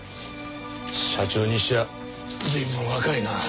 社長にしちゃ随分若いな。